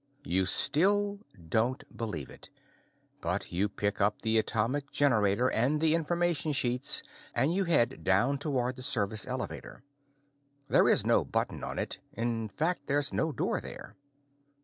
You still don't believe it, but you pick up the atomic generator and the information sheets, and you head down toward the service elevator. There is no button on it. In fact, there's no door there.